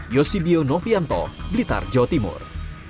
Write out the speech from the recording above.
yosibio novianto blitar jawa timur